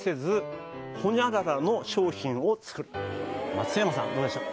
松山さんどうでしょう？